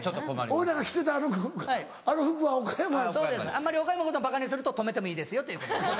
あんまり岡山のことばかにすると止めてもいいですよということで。